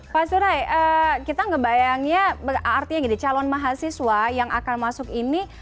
pak surai kita ngebayangnya artinya gini calon mahasiswa yang akan masuk ini